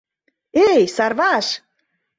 Эй, Сарваш!